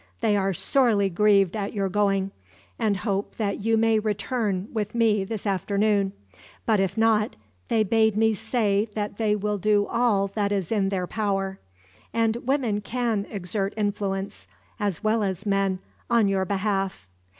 "They are sorely grieved at your going, and hope that you may return with me this afternoon. But if not, they bade me say that they will do all that is in their power; and women can exert influence, as well as men, on your behalf."